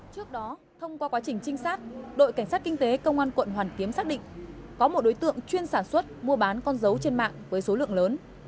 trước đó thông qua quá trình trinh sát đội cảnh sát kinh tế công an quận hoàn kiếm xác định có một đối tượng chuyên sản xuất mua bán con dấu trên mạng với số lượng lớn